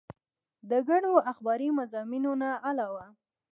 د ګڼو اخباري مضامينو نه علاوه